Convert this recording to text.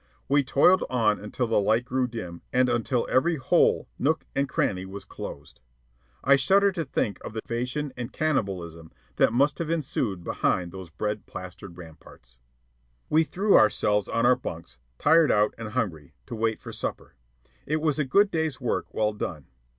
We toiled on until the light grew dim and until every hole, nook, and cranny was closed. I shudder to think of the tragedies of starvation and cannibalism that must have ensued behind those bread plastered ramparts. We threw ourselves on our bunks, tired out and hungry, to wait for supper. It was a good day's work well done.